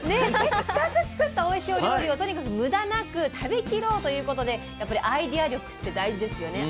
せっかく作ったおいしいお料理をとにかく無駄なく食べきろうということでやっぱりアイデア力って大事ですよね。